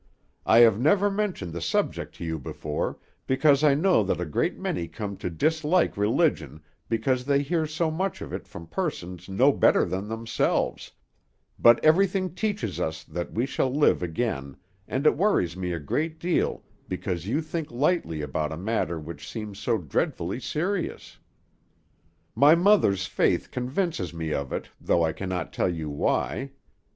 I have never mentioned the subject to you before, because I know that a great many come to dislike religion because they hear so much of it from persons no better than themselves, but everything teaches us that we shall live again, and it worries me a great deal because you think lightly about a matter which seems so dreadfully serious. My mother's faith convinces me of it, though I cannot tell you why.